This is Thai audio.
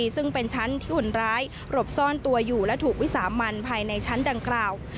ซึ่งเป็นชั้นที่คนร้ายหลบซ่อนตัวอยู่และถูกวิสามันภายในชั้นดังกล่าว